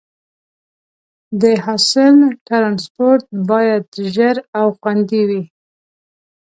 د حاصل ټرانسپورټ باید ژر او خوندي وي.